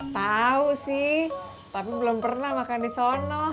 tau sih tapi belum pernah makan di sono